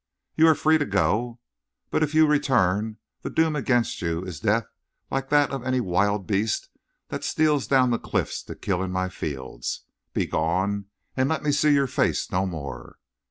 "You are free to go, but if you return the doom against you is death like that of any wild beast that steals down the cliffs to kill in my fields. Begone, and let me see your face no more.